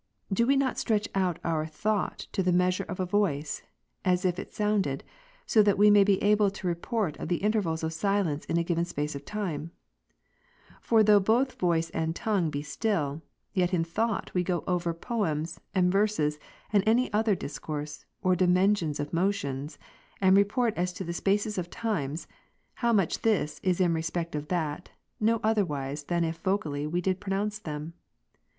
do we not stretch out our thought to the measui'e of a voice, as if it sounded ; that so we may be able to report of the intervals of silence in a given space of time t For though both voice and tongue be still, yet in thought we go over poems, and verses, and any other discourse, or dimensions of motions, and re port as to the spaces of times, how much this is in respect of that, no otherwise than if vocally we did pronounce them.